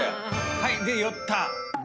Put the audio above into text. はい寄った。